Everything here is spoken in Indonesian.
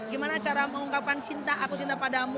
gimana cara mengungkapkan cinta aku cinta padamu